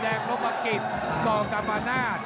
แดงลบมากิ๊กก่อกลับมานาน